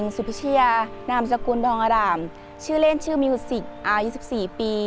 สวัสดีครับสวัสดีครับ